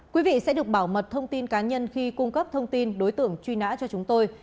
quý vị sẽ được bảo mật thông tin cá nhân khi cung cấp thông tin đối tượng truy nã cho chúng tôi